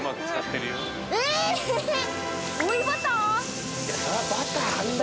えぇ⁉追いバター？